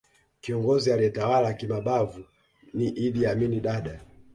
kiongozi aliyetawala kimabavu ni idd amin dada